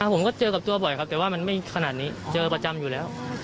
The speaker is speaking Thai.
ผมก็เจอกับตัวบ่อยครับแต่ว่ามันไม่ขนาดนี้เจอประจำอยู่แล้ว